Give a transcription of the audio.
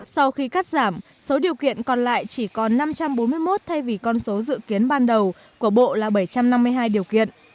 sau khi cắt giảm số điều kiện còn lại chỉ còn năm trăm bốn mươi một thay vì con số dự kiến ban đầu của bộ là bảy trăm năm mươi hai điều kiện